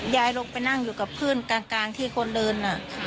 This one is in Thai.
ยายลุกไปนั่งอยู่กับพื้นกลางกลางที่คนอื่นน่ะ